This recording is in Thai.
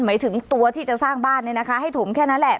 หมายถึงตัวที่จะสร้างบ้านให้ถมแค่นั้นแหละ